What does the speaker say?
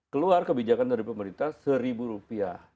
keluar kebijakan dari pemerintah rp satu